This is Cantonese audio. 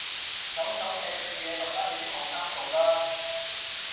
走走糴糴嘅嘢留返俾啲後生做啦